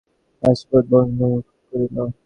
ভয়ব্যাকুলচিত্তে সে মহেন্দ্রকে বাহুপাশ বদ্ধ করিল।